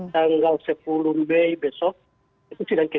tanggal sepuluh mei besok itu sidang ke tujuh